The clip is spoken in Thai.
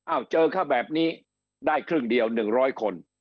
อ้าวเจอค่ะแบบนี้ได้ครึ่งเดียวหนึ่งร้อยคน